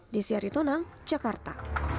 desyari tonang jakarta